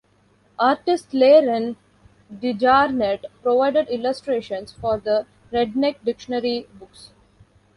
Artist Layron DeJarnette provided illustrations for the Redneck Dictionary books.